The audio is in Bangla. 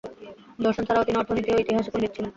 দর্শন ছাড়াও তিনি অর্থনীতি ও ইতিহাসে পণ্ডিত ছিলেন।